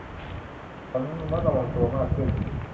ฉันระมัดระวังตัวมากขึ้น